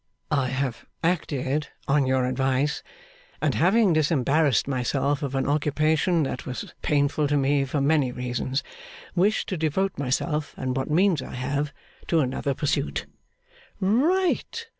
'I have acted on your advice; and having disembarrassed myself of an occupation that was painful to me for many reasons, wish to devote myself and what means I have, to another pursuit.' 'Right!